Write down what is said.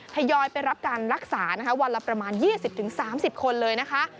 ทยอยไปรับการรักษานะคะวันละประมาณ๒๐๓๐คนเลยนะคะ